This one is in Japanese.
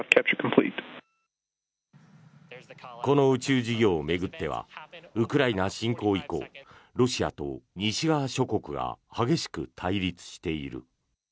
この宇宙事業を巡ってはウクライナ侵攻以降ロシアと西側諸国が激しく対立している。